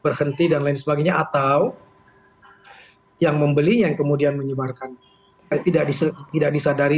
berhenti dan lain sebagainya atau yang membeli yang kemudian menyebarkan tidak disadari